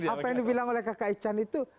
apa yang dibilang oleh kakak ican itu